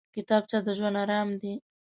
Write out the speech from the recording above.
کتابچه د ژوند ارام دی